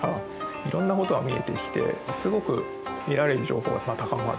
いろんなことが見えてきてすごく得られる情報が高まる。